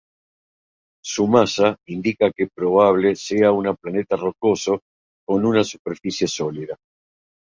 Su masa indica que probable sea un planeta rocoso con una superficie sólida.